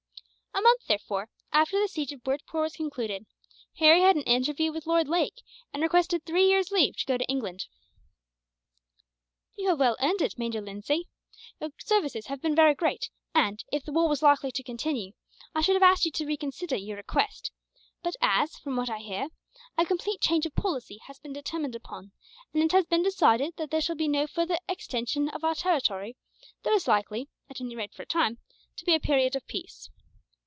A month, therefore, after the siege of Bhurtpoor was concluded, Harry had an interview with Lord Lake, and requested three years' leave to go to England. "You have well earned it, Major Lindsay. Your services have been very great and, if the war was likely to continue, I should have asked you to reconsider your request; but as, from what I hear, a complete change of policy has been determined upon, and it has been decided that there shall be no further extension of our territory, there is likely at any rate for a time to be a period of peace.